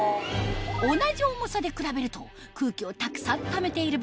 同じ重さで比べると空気をたくさんためている分